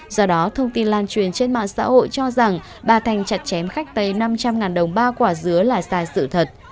do đó thông tin lan truyền trên mạng xã hội cho rằng bà thanh chặt chém khách tây năm trăm linh đồng ba quả dứa là sai sự thật